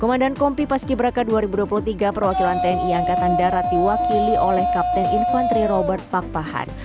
komandan kompi paskiberaka dua ribu dua puluh tiga perwakilan tni angkatan darat diwakili oleh kapten infanteri robert pakpahan